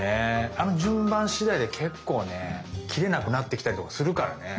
あの順番しだいで結構ね切れなくなってきたりとかするからね。